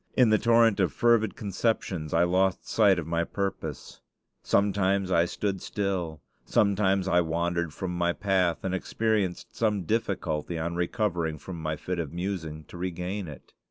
In the torrent of fervid conceptions I lost sight of my purpose. Sometimes I stood still; sometimes I wandered from my path, and experienced some difficulty, on recovering from my fit of musing, to regain it.